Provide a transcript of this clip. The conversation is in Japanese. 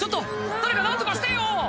誰か何とかしてよ！